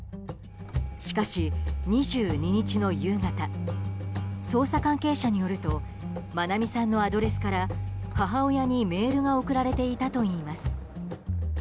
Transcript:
しかし、２２日の夕方捜査関係者によると愛美さんのアドレスから母親にメールが送られていたといいます。